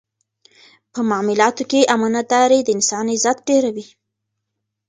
په معاملاتو کې امانتداري د انسان عزت ډېروي.